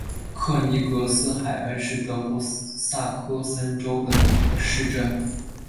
克尼格斯海恩是德国萨克森州的一个市镇。